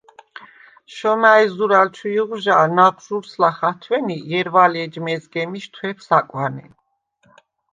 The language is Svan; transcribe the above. შომა̈ჲ, ზურალ ჩუ იღვჟალ, ნაღვჟურს ლახ ათვენი, ჲერვალე ეჯ მეზგემიშ თვეფს აკვანე.